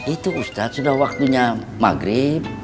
itu ustadz sudah waktunya maghrib